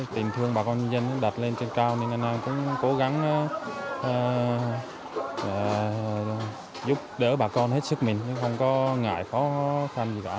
tình thương bà con dân đặt lên trên cao nên là cũng cố gắng giúp đỡ bà con hết sức mình chứ không có ngại khó khăn gì cả